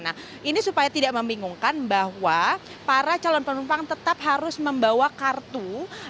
nah ini supaya tidak membingungkan bahwa para calon penumpang tetap harus membawa kartu